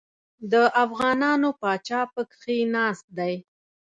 د افغانانو پاچا پکښې ناست دی.